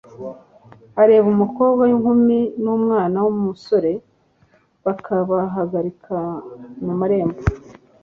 areba umukobwa w’inkumi n’umwana w’umusore, bakabahagarika mu marembo,